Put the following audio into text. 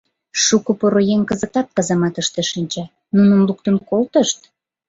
Шуко поро еҥ кызытат казаматыште шинча, нуным луктын колтышт.